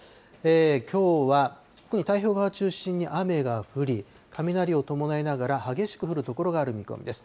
きょうは特に太平洋側中心に雨が降り、雷を伴いながら、激しく降る所がある見込みです。